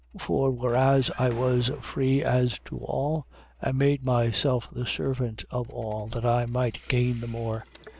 9:19. For whereas I was free as to all, I made myself the servant of all, that I might gain the more.